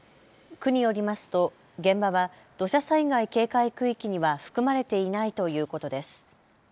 区によりますと現場は土砂災害警戒区域には含まれていないということです。